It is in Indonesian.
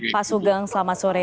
pak sugeng selamat sore